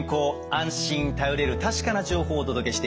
安心頼れる確かな情報をお届けしています。